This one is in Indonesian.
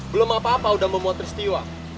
belum apa apa udah membuat tristiwa